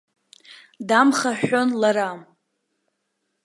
Дамхаҳәҳәон лара.